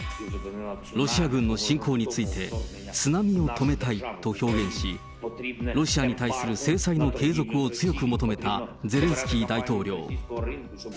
ロシア軍の侵攻について、津波を止めたいと表現し、ロシアに対する制裁の継続を強く求めたゼレンスキー大統領。